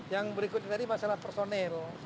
yang berikutnya tadi masalah personil